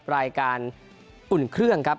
รายการอุ่นเครื่องครับ